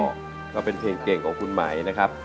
ก็เป็นเพลงเก่งของคุณไหมนะครับ